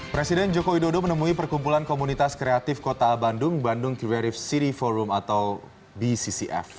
presiden joko widodo menemui perkumpulan komunitas kreatif kota bandung bandung creative city forum atau bccf